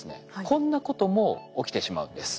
こんなことも起きてしまうんです。